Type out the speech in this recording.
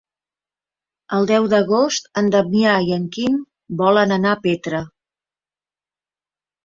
El deu d'agost en Damià i en Quim volen anar a Petra.